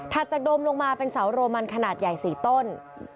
จากดมลงมาเป็นเสาโรมันขนาดใหญ่๔ต้น